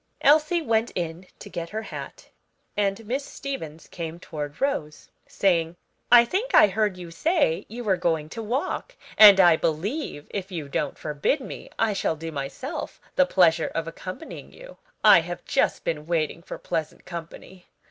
Elsie went in to get her hat, and Miss Stevens came towards Rose, saying, "I think I heard you say you were going to walk; and I believe, if you don't forbid me, I shall do myself the pleasure of accompanying you. I have just been waiting for pleasant company.